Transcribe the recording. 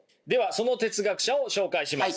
その哲学者を紹介します。